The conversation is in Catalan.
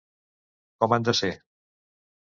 Com han de ser?